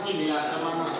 di belakang itu